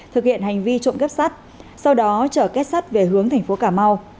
thực hiện hành vi trộm cắp sắt sau đó chở kết sắt về hướng thành phố cà mau